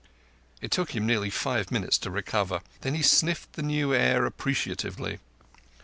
It took him nearly five minutes to recover. Then he sniffed the new air appreciatively.